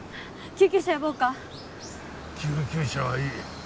救急車はいい。